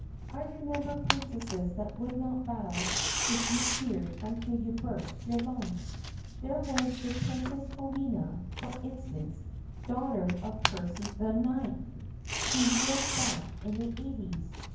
'I remember princesses that would not bow if you cheered until you burst your lungs. There was the Princess Felina, for instance, daughter of Percy IX, who ruled back in the eighties.